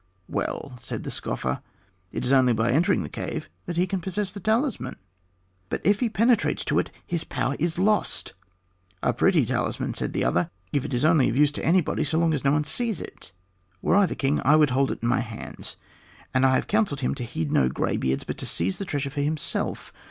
"Well," said the scoffer, "it is only by entering the cave that he can possess the talisman." "But if he penetrates to it, his power is lost." "A pretty talisman," said the other. "It is only of use to anybody so long as no one sees it. Were I the king I would hold it in my hands. And I have counselled him to heed no graybeards, but to seize the treasure for himself.